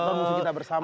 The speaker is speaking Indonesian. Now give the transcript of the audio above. bukan musuh kita bersama